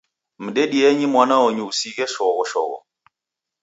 Mdedienyi mwana onyu, usighe shoghoshogho